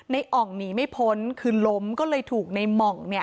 อ่องหนีไม่พ้นคือล้มก็เลยถูกในหม่องเนี่ย